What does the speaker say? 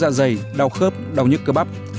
giả dày đau khớp đau nhức cơ bắp